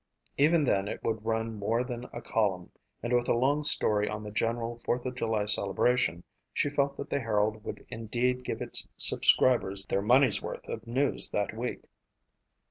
Even then it would run more than a column and with a long story on the general Fourth of July celebration she felt that the Herald would indeed give its subscribers their money's worth of news that week.